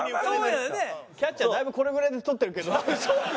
キャッチャーだいぶこれぐらいで取ってるけど。